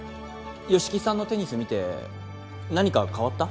吉木さんのテニス見て何か変わった？